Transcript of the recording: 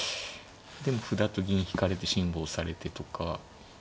でも歩だと銀引かれて辛抱されてとか。